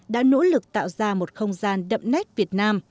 đã nỗ lực tạo ra một không gian đậm nét việt nam